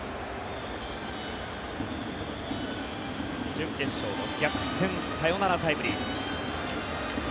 準決勝の逆転サヨナラタイムリー。